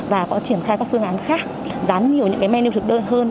và có triển khai các phương án khác dán nhiều những cái menu thực đơn hơn